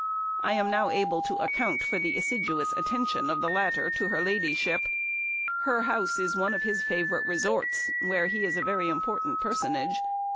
I am now able to account for the assiduous attention of the latter to her ladyship. Her house is one of his favourite resorts, where he is a very important personage.